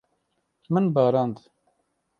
Min barand.